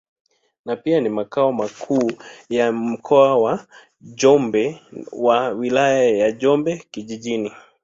Ni pia makao makuu ya Mkoa wa Njombe na Wilaya ya Njombe Vijijini.